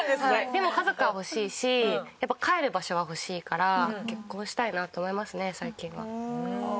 でも家族は欲しいしやっぱ帰る場所は欲しいから結婚したいなと思いますね最近は。